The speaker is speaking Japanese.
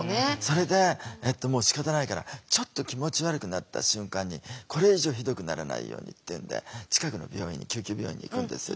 それでしかたないからちょっと気持ち悪くなった瞬間にこれ以上ひどくならないようにっていうんで近くの病院に救急病院に行くんですよ